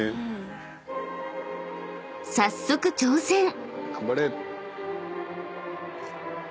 ［早速挑戦］